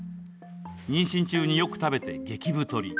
妊娠中によく食べて、激太り。